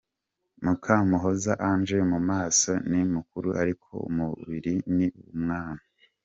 Mukamuhoza Ange mu maso ni mukuru ariko umubiri ni uw’umwana.